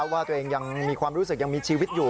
ว่าตัวเองยังมีความรู้สึกยังมีชีวิตอยู่